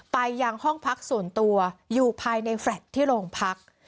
ไปยังห้องพักส่วนตัวอยู่ภายในแฟลต์ที่โรงพัก